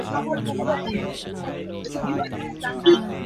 A ni na a ṭap na an si.